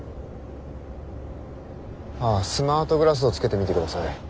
あスマートグラスをつけてみてください。